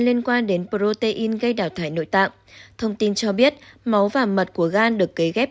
liên quan đến protein gây đào thải nội tạng thông tin cho biết máu và mặt của gan được kế ghép